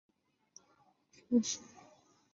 翰林出身。